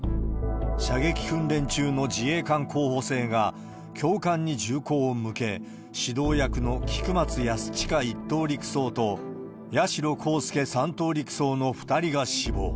射撃訓練中の自衛官候補生が、教官に銃口を向け、指導役の菊松安親１等陸曹と、八代航佑３等陸曹の２人が死亡。